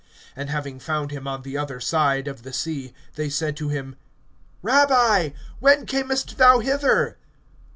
(25)And having found him on the other side of the sea, they said to him: Rabbi, when camest thou hither?